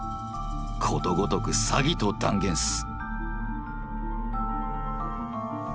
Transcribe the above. ことごとく詐欺と断言す」。